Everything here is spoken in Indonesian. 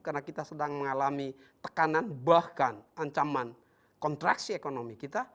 karena kita sedang mengalami tekanan bahkan ancaman kontraksi ekonomi kita